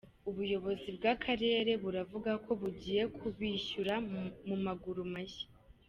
Ubuyobozi bw’aka Karere buravuga ko bugiye kubishyura mu maguru mashya.